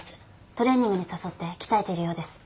トレーニングに誘って鍛えているようです。